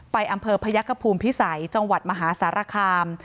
ไปอำเภอพะยักษ์กระพูลพิสัยจังหวัดมหาศาลาคาร์ม